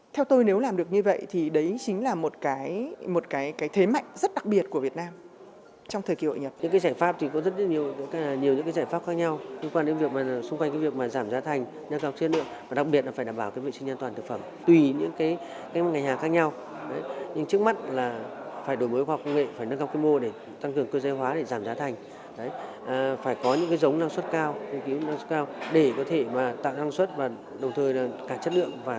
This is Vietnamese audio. theo tôi nếu làm được như vậy thì đấy chính là một cái thế mạnh rất đặc biệt của việt nam trong thời kỳ hội nhập